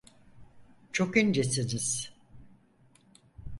Çok incesiniz.